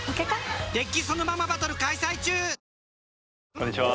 こんにちは。